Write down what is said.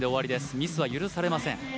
ミスは許されません。